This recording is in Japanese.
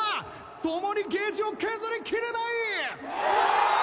ともにゲージを削り切れない！